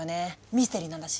ミステリーなんだし。